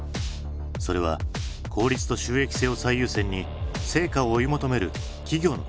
それは効率と収益性を最優先に成果を追い求める企業のカリカチュアだ。